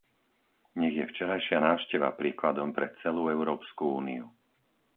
Nech je včerajšia návšteva príkladom pre celú Európsku úniu.